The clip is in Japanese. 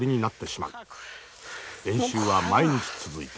練習は毎日続いた。